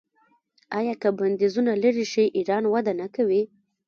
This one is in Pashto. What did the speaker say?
آیا که بندیزونه لرې شي ایران وده نه کوي؟